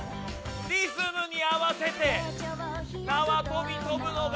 リズムに合わせて縄跳び跳ぶのが